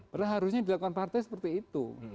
padahal harusnya dilakukan partai seperti itu